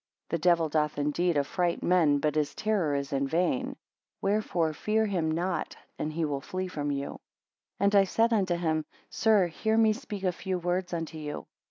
The devil doth indeed affright men but his terror is vain. Wherefore fear him not, and he will flee from you. 24 And I said unto him; Sir, hear me speak a few words unto you.